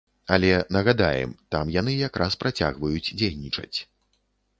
Але, нагадаем, там яны як раз працягваюць дзейнічаць.